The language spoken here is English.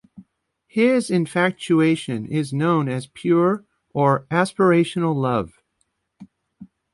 His infatuation is known as pure, or aspirational love.